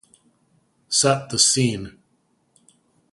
Set the scene.